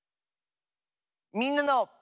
「みんなの」。